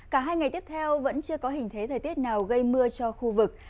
cả hai ngày tiếp theo vẫn chưa có hình thế thời tiết nào gây mưa cho khu vực